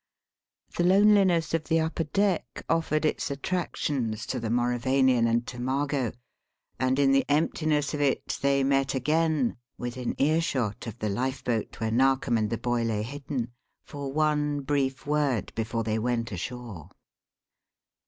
The loneliness of the upper deck offered its attractions to the Mauravanian and to Margot, and in the emptiness of it they met again within earshot of the lifeboat where Narkom and the boy lay hidden for one brief word before they went ashore.